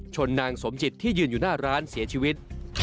นางสมจิตที่ยืนอยู่หน้าร้านเสียชีวิต